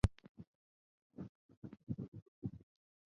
少花淫羊藿为小檗科淫羊藿属下的一个种。